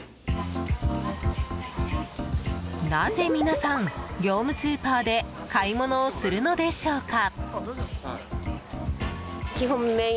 なぜ皆さん、業務スーパーで買い物をするのでしょうか。